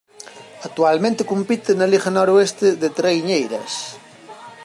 Actualmente compite na Liga Noroeste de Traiñeiras.